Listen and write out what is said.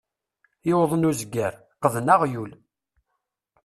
Yuḍen uzger, qqden aɣyul.